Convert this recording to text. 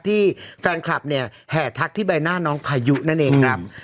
ที่แฟนคลับเนี่ยแห่ทักที่ใบหน้าน้องพายุนั่นเองครับ